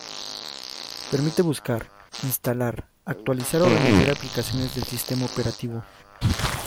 Permite buscar, instalar, actualizar o remover aplicaciones del sistema operativo.